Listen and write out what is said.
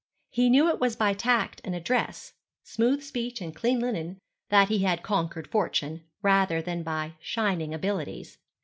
He knew it was by tact and address, smooth speech and clean linen, that he had conquered fortune, rather than by shining abilities.